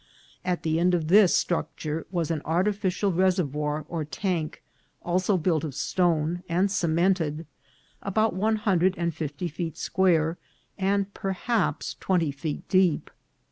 At the end of this structure was an artificial reservoir or tank, also built of stone and cemented, about one hundred and fifty feet square, and perhaps twenty feet deep.